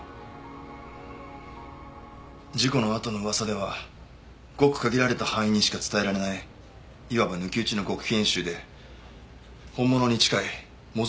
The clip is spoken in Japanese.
事故のあとの噂ではごく限られた班員にしか伝えられない言わば抜き打ちの極秘演習で本物に近い模造